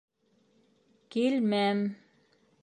—...килмәм...